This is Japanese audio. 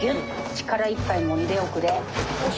力いっぱいもんでおくれ。